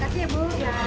kasih ya bu